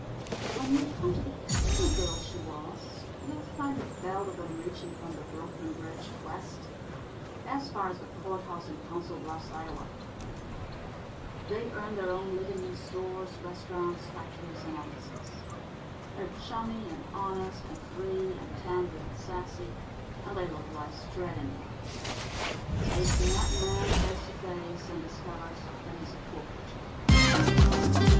When you come to the kind of a girl she was, you'll find a belt of 'em reaching from the Brooklyn Bridge west as far as the courthouse in Council Bluffs, Ia. They earn their own living in stores, restaurants, factories, and offices. They're chummy and honest and free and tender and sassy, and they look life straight in the eye. They've met man face to face, and discovered that he's a poor creature.